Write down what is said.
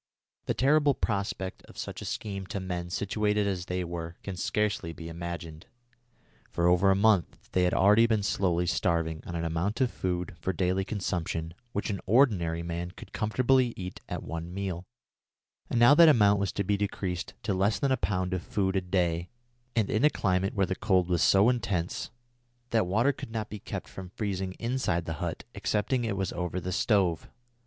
The terrible prospect of such a scheme to men situated as they were can scarcely be imagined. For over a month they had already been slowly starving on an amount of food for daily consumption which an ordinary man could comfortably eat at one meal, and now that amount was to be decreased to less than a pound of food a day and in a climate where the cold was so intense that water could not be kept from freezing inside the hut excepting it was over the stove.